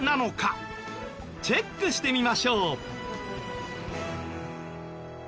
チェックしてみましょう。